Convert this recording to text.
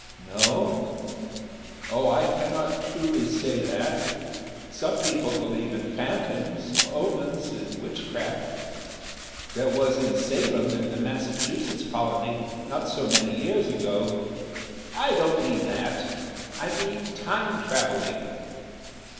"No. Oh, I cannot truly say that. Some people believe in phantoms, omens and witchcraft. There was in Salem, in the Massachusetts Colony, not so many years ago " "I don't mean that. I mean Time traveling."